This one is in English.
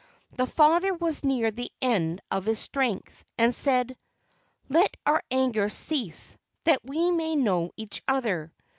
The father was near the end of his strength, and said, "Let our anger cease, that we may know each other."